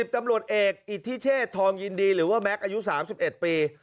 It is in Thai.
ตำรวจเอกอิทธิเชษทองยินดีหรือว่าแม็กซ์อายุ๓๑ปี